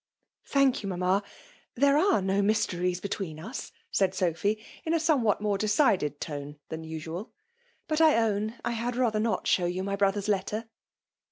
'*' Thank you^ mamma. There ace no mys^ teries between us/' said Sophy, in a. some « what more decided tone than usual. <'"< But I own I had rather not show you my brother's letter."